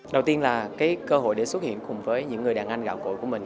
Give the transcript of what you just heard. đầu tiên là cái cơ hội để xuất hiện cùng với những người đàn anh gạo cội của mình